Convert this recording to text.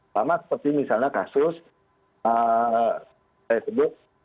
sama seperti misalnya kasus saya sebut